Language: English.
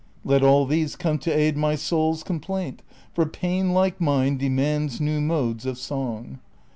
Let all these come to aid my soul's complaint, For pain like mine demands new modes of song.